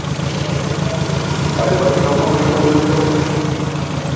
Alibaki na upweke pale nyumbani